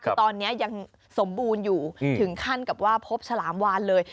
คือตอนนี้ยังสมบูรณ์อยู่ถึงขั้นกับว่าพบฉลามวานเลย